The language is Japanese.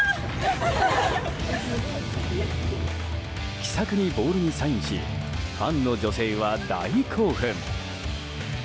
気さくにボールにサインしファンの女性は大興奮！